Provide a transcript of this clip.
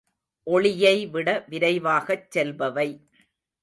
ஒளியை விட விரைவாகச் செல்பவை.